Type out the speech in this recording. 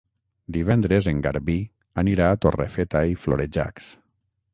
Divendres en Garbí anirà a Torrefeta i Florejacs.